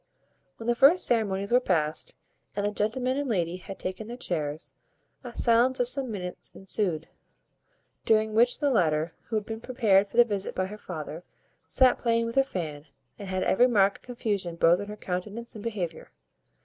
When the first ceremonies were past, and the gentleman and lady had taken their chairs, a silence of some minutes ensued; during which the latter, who had been prepared for the visit by her father, sat playing with her fan, and had every mark of confusion both in her countenance and behaviour.